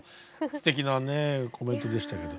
すてきなねコメントでしたけど。